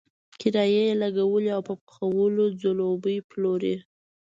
کرایي یې لګولی او په پخولو یې ځلوبۍ پلورلې.